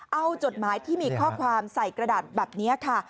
เอาจดหมายที่มีข้อความใส่กระดาษแบบนี้ค่ะ